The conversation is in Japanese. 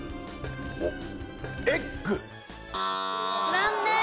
残念！